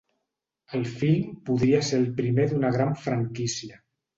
El film podria ser el primer d'una gran franquícia.